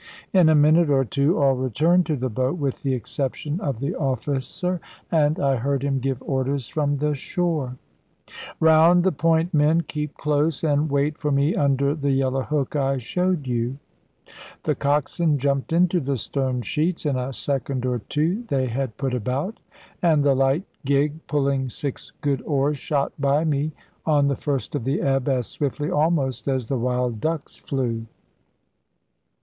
In a minute or two all returned to the boat, with the exception of the officer, and I heard him give orders from the shore "Round the point, men! Keep close, and wait for me under the Yellow Hook I showed you." The coxswain jumped into the stern sheets; in a second or two they had put about, and the light gig pulling six good oars shot by me, on the first of the ebb, as swiftly almost as the wild ducks flew.